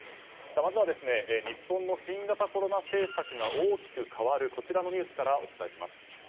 まずは日本の新型コロナ政策が大きく変わるこちらのニュースからお伝えします。